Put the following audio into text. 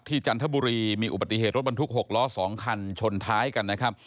จันทบุรีมีอุบัติเหตุรถบรรทุก๖ล้อ๒คันชนท้ายกันนะครับ